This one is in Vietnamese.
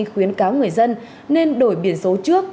khuyến cáo người dân nên đổi biển số trước